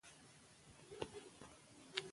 تاسو د هیواد د تاریخي اثارو ساتنه وکړئ.